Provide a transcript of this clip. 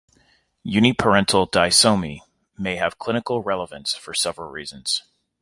Uniparental disomy may have clinical relevance for several reasons.